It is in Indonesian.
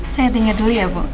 saya tinggal dulu ya bu